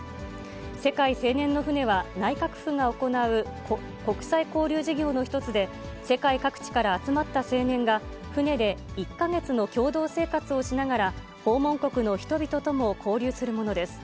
世界青年の船は内閣府が行う国際交流事業の一つで、世界各地から集まった青年が、船で１か月の共同生活をしながら、訪問国の人々とも交流するものです。